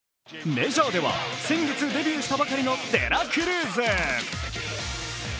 メジャーでは先月デビューしたばかりのデラクルーズ。